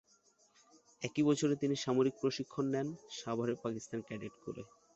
একই বছরে তিনি সামরিক প্রশিক্ষণ নেন সাভারে পাকিস্তান ক্যাডেট কোরে।